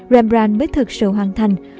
rembrandt mới thực sự hoàn thành